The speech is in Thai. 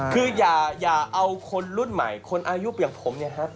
คืออย่าเอาคนรุ่นใหม่คนอายุอย่างผมเนี่ยฮะ